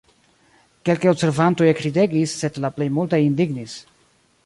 Kelkaj observantoj ekridegis, sed la plej multaj indignis.